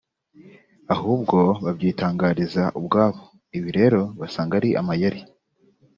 ahubwo babyitangariza ubwabo; ibi rero basanga ari amayeri